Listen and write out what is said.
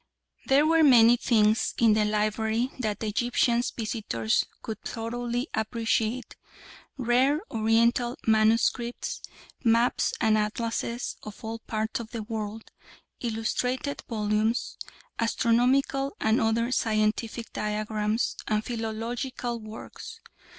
There were many things in the library that the Egyptian visitors could thoroughly appreciate rare Oriental manuscripts, maps and atlases of all parts of the world, illustrated volumes, astronomical and other scientific diagrams and philological works.